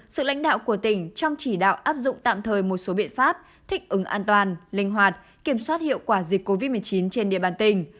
sự lãnh đạo của tỉnh trong chỉ đạo áp dụng tạm thời một số biện pháp thích ứng an toàn linh hoạt kiểm soát hiệu quả dịch covid một mươi chín trên địa bàn tỉnh